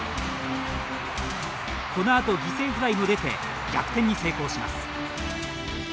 このあと犠牲フライも出て逆転に成功します。